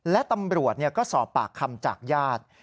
และตำรวจก็สอบปากคำจากญาติ